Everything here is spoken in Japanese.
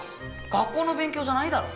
学校の勉強じゃないだろ。